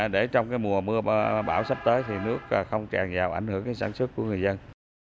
để trong mùa mưa bão sắp tới thì nước không tràn vào ảnh hưởng đến sản xuất của người dân